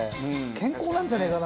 健康なんじゃねえかな。